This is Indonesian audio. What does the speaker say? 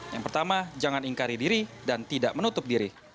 yang pertama jangan ingkari diri dan tidak menutup diri